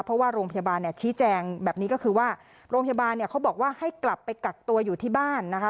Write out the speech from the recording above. เพราะว่าโรงพยาบาลเนี่ยชี้แจงแบบนี้ก็คือว่าโรงพยาบาลเนี่ยเขาบอกว่าให้กลับไปกักตัวอยู่ที่บ้านนะคะ